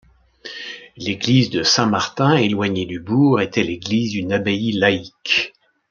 L'église de Saint-Martin, éloignée du bourg, était l'église d'une abbaye laïque.